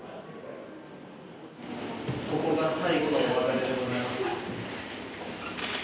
・ここが最後のお別れでございます。